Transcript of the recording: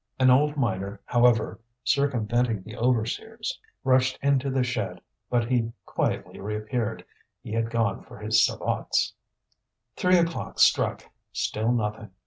An old miner, however, circumventing the overseers, rushed into the shed; but he quietly reappeared, he had gone for his sabots. Three o'clock struck. Still nothing.